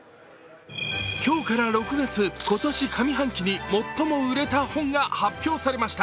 今日から６月、今年上半期に最も売れた本が発表されました。